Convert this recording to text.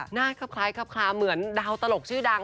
หน้าคล้ายเหมือนดาวตลกชื่อดัง